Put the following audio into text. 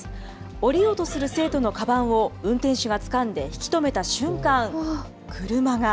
降りようとする生徒のかばんを、運転手がつかんで引き止めた瞬間、車が。